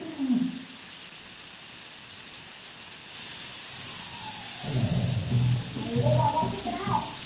はい腕が上がりきってない！